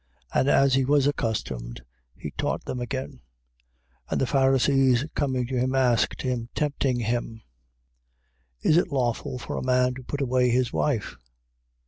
And as he was accustomed, he taught them again. 10:2. And the Pharisees coming to him asked him, tempting him: Is it lawful for a man to put away his wife?